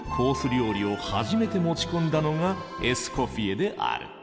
料理を初めて持ち込んだのがエスコフィエである。